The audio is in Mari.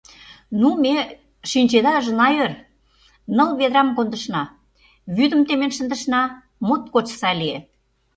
Ну, ме, шинчеда, ыжна ӧр: ныл ведрам кондышна, вӱдым темен шындышна, моткоч сай лие!